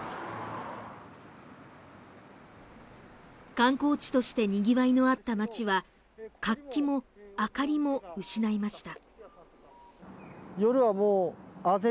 観光地としてにぎわいのあった町は活気も明かりも失いました。